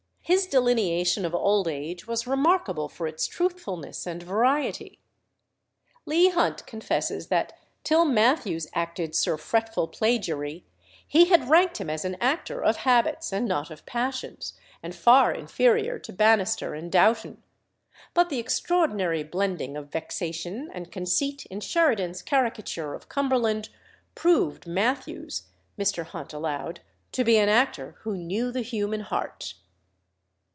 His delineation of old age was remarkable for its truthfulness and variety. Leigh Hunt confesses that till Mathews acted Sir Fretful Plagiary, he had ranked him as an actor of habits and not of passions, and far inferior to Bannister and Dowton; but the extraordinary blending of vexation and conceit in Sheridan's caricature of Cumberland proved Mathews, Mr. Hunt allowed, to be an actor who knew the human heart.